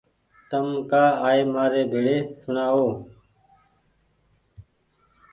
تم ڪآ آئي مآري ڀيڙي سوڻآ او